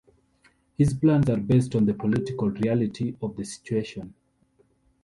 His plans are based on the political reality of the situation.